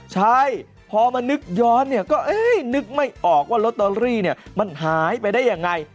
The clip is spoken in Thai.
ใช่พอมานึกย้อนเนี่ยก็นึกไม่ออกว่าลอตเตอรี่มันหายไปได้ยังไง